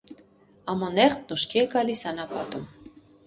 Ամոնեխտն ուշքի է գալիս անապատում։